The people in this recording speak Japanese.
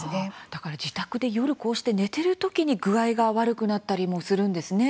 だから自宅で夜こうして寝てるときに具合が悪くなったりもするんですね。